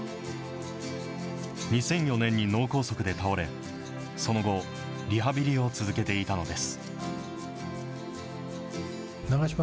２００４年に脳梗塞で倒れ、その後、リハビリを続けていたのです。